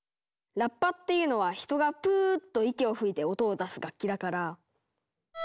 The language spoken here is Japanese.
ラッパっていうのは人がプーッと息を吹いて音を出す楽器だから。